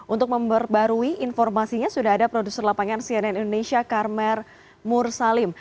untuk memperbarui informasinya sudah ada produser lapangan cnn indonesia karmel mursalim